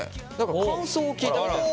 感想を聞いたみたいです。